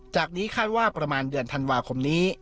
จากนี้คาดว่าประมาณเดือนธันวาคมนี้